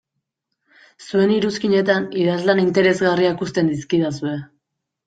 Zuen iruzkinetan idazlan interesgarriak uzten dizkidazue.